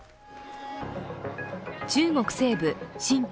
中国西部新疆